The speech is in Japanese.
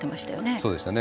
そうでしたね。